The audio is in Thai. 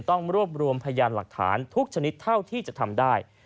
ต้องรวบรวมพยานหลักฐานทุกชนิดเท่าที่จะทำได้